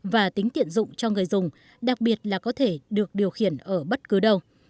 và tính tiện dụng cho người dùng đặc biệt là có thể được điều khiển ở bất cứ đâu